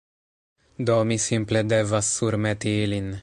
Do, mi simple devas surmeti ilin